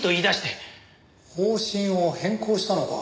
方針を変更したのか。